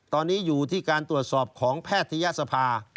ตอนนี้อยู่ที่การตรวจสอบของแพทยศภา